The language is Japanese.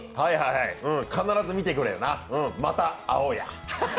必ず見てくれよな、また会おうや。